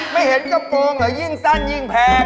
ไม่เห็นกระโปรงเหรอยิ่งสั้นยิ่งแพง